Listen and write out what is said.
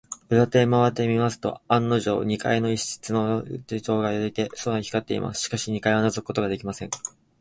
裏手へまわってみますと、案のじょう、二階の一室に電燈がついていて、窓が明るく光っています。しかし、二階ではのぞくことができません。